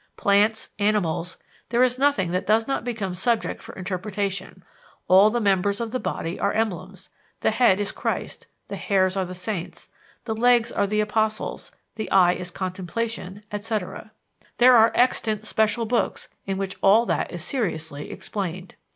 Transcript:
Plants, animals there is nothing that does not become subject for interpretation; all the members of the body are emblems; the head is Christ, the hairs are the saints, the legs are the apostles, the eye is contemplation, etc. There are extant special books in which all that is seriously explained.